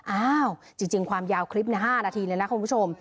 อ้าวจริงความยาวคลิปนี้๕นาทีเลยนะคุณผู้ชม